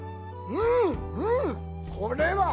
うん！